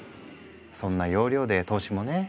そんな要領で投資もね。